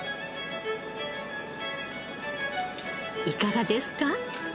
いかがですか？